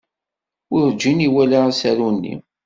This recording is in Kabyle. Werjin iwala asaru-nni.